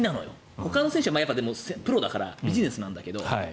ほかの選手はプロだからビジネスなんだけど。